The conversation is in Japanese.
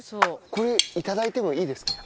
これ頂いてもいいですか？